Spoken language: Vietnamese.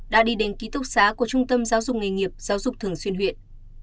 đã đi đến ký túc xá của trung tâm giáo dục nghề nghiệp giáo dục thường xuyên huyện